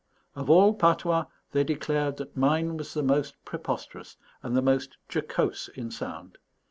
Of all patois they declared that mine was the most preposterous and the most jocose in sound.